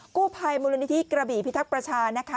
กู้ภัยมูลนิธิกระบี่พิทักษ์ประชานะคะ